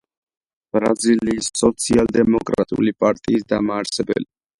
ბრაზილიის სოციალ-დემოკრატიული პარტიის დამაარსებელი.